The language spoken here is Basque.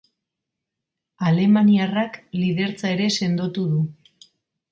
Alemaniarrak lidertza ere sendotu du.